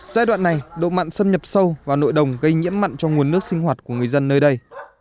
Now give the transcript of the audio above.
giai đoạn này độ mặn xâm nhập sâu vào nội đồng gây nhiễm mặn cho nguồn nước sinh hoạt của người dân nơi đây